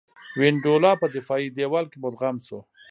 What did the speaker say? وینډولا په دفاعي دېوال کې مدغم شو.